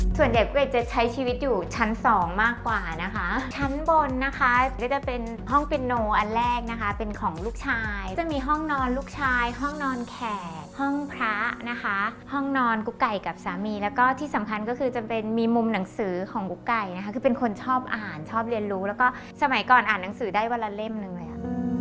ส่วนเด็กจะใช้ชีวิตอยู่ชั้นสองมากกว่านะคะชั้นบนนะคะก็จะเป็นห้องปินโนอันแรกนะคะเป็นของลูกชายจะมีห้องนอนลูกชายห้องนอนแขกห้องพระนะคะห้องนอนกุ๊กไก่กับสามีแล้วก็ที่สำคัญก็คือจะเป็นมีมุมหนังสือของกุ๊กไก่นะคะคือเป็นคนชอบอ่านชอบเรียนรู้แล้วก็สมัยก่อนอ่านหนังสือได้วันละเล่มหนึ่งเลยอ่ะ